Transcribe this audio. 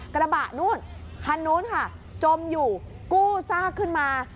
กระบะนู่นคันนู้นค่ะจมอยู่กู้ซากขึ้นมา